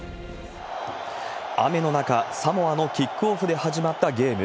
雨の中、サモアのキックオフで始まったゲーム。